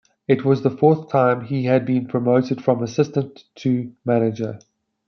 It was the fourth time he had been promoted from assistant to manager.